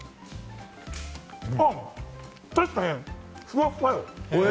あっ、確かに、ふわふわよ。